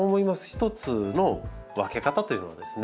一つの分け方というのはですね